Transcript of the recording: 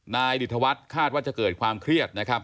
นายริฐวัสท์คาดว่าจะเกิดความเครียด